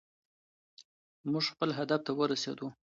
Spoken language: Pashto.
موږ خپل هدف ته ورسېدو.